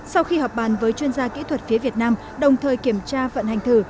sau khi họp bàn với chuyên gia kỹ thuật phía việt nam đồng thời kiểm tra vận hành thử